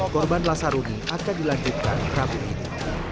korban lasaruni akan dilanjutkan kerabun ini